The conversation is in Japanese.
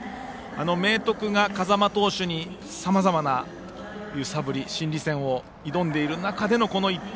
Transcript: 明徳が風間投手にさまざまな揺さぶり心理戦を挑んでいる中での１点。